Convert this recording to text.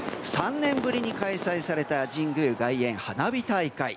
３年ぶりに開催された神宮外苑花火大会。